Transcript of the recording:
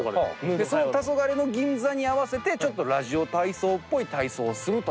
その「たそがれの銀座」に合わせてちょっとラジオ体操っぽい体操をするという。